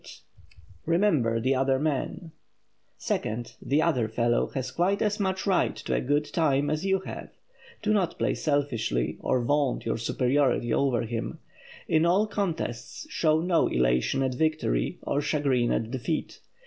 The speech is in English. [Sidenote: REMEMBER THE OTHER MAN] Second; the "other fellow" has quite as much right to a good time as you have. Do not play selfishly, or vaunt your superiority over him. In all contests, show no elation at victory, or chagrin at defeat.